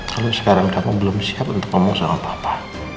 kalau sekarang kamu belum siap untuk ngomong sama papa